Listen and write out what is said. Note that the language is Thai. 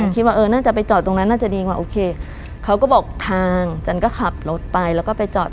คิดว่าเออน่าจะไปจอดตรงนั้นน่าจะดีกว่าโอเคเขาก็บอกทางจันก็ขับรถไปแล้วก็ไปจอด